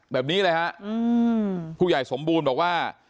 แบบนี้เลยฮะผู้ใหญ่สมบูรณ์บอกว่า